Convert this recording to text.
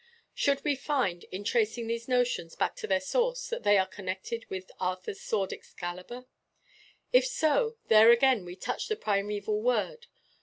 Should we find, in tracing these notions back to their source, that they are connected with Arthur's sword Excalibur? If so, there again we touch the primeval world.